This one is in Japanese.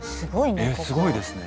えっすごいですね。